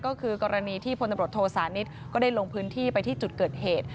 ก็คือกรณีที่พลตำรวจโทสานิทก็ได้ลงพื้นที่ไปที่จุดเกิดเหตุ